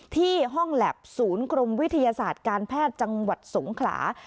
ที่ห้องแล็บศูนย์กรมวิทยาศาสตร์การแพทย์จังหวัดสงขลา